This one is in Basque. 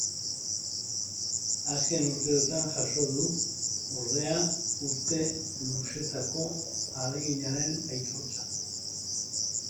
Azken urteotan jaso du, ordea, urte luzetako ahaleginaren aitortza.